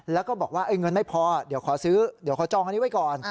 แล้วก็บอกว่าเงินไม่พอเดี๋ยวขอซื้อเดี๋ยวขอจองอันนี้ไว้ก่อน